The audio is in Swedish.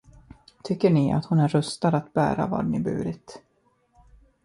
Tycker ni, att hon är rustad att bära vad ni burit?